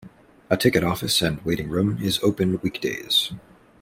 A ticket office and waiting room is open weekdays.